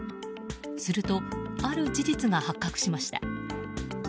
すると、ある事実が発覚しました。